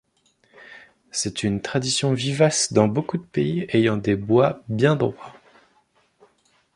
C'est une tradition vivace dans beaucoup de pays ayant des bois bien droits.